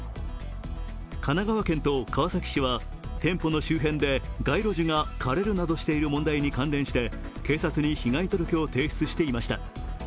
神奈川県と川崎市は店舗の周辺で街路樹が枯れるなどしている問題に関連して、警察に被害届を提出していました。